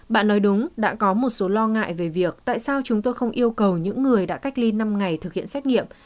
bạn nói đúng đã có một số lo ngại về việc tại sao chúng tôi không yêu cầu những người đã cách ly năm ngày thực hiện xét nghiệm